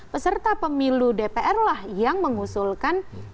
peserta pemilu dpr lah yang mengusulkan